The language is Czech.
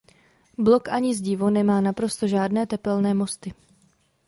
Blok ani zdivo nemá naprosto žádné tepelné mosty.